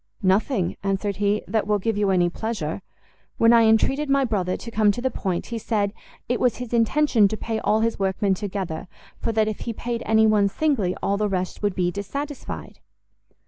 "Nothing," answered he, "that will give you any pleasure. When I entreated my brother to come to the point, he said it was his intention to pay all his workmen together, for that if he paid any one singly, all the rest would be dissatisfied."